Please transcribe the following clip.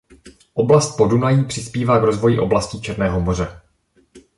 Oblast Podunají přispívá k rozvoji oblasti Černého moře.